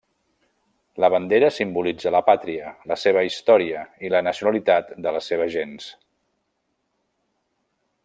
La bandera simbolitza la pàtria, la seva història, i la nacionalitat de les seves gents.